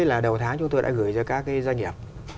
là đầu tháng chúng tôi đã gửi cho các doanh nghiệp